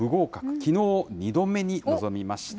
きのう、２度目に臨みました。